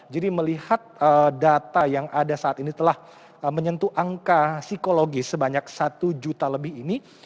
melihat data yang ada saat ini telah menyentuh angka psikologis sebanyak satu juta lebih ini